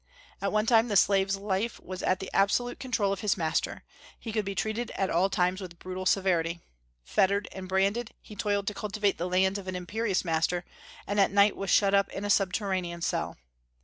At one time the slave's life was at the absolute control of his master; he could be treated at all times with brutal severity. Fettered and branded, he toiled to cultivate the lands of an imperious master, and at night was shut up in a subterranean cell.